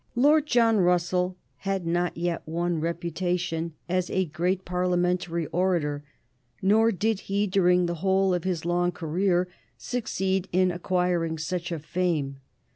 Lord John Russell had not yet won reputation as a great Parliamentary orator; nor did he, during the whole of his long career, succeed in acquiring such a fame.